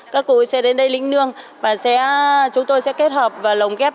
các cụ sẽ đến đây lĩnh nương và chúng tôi sẽ kết hợp và lồng ghép